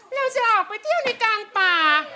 เราจะออกไปเที่ยวในกลางป่า